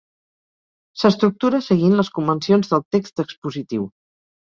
S'estructura seguint les convencions del text expositiu.